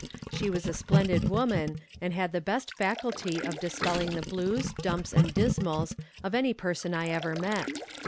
She was a splendid woman, and had the best faculty of dispelling the blues, dumps and dismals of any person I ever met.